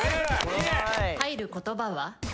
入る言葉は？